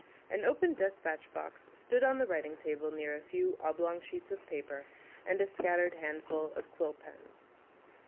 An open despatch box stood on the writing table near a few oblong sheets of paper and a scattered handful of quill pens.